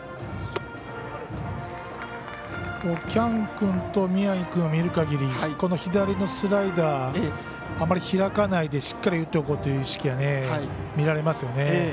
喜屋武君と宮城君を見るかぎりこの左のスライダーあまり開かないでしっかり打っておこうという意識が見られますよね。